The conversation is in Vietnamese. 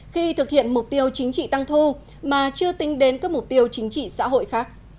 khi thực hiện mục tiêu chính trị tăng thu mà chưa tính đến các mục tiêu chính trị xã hội khác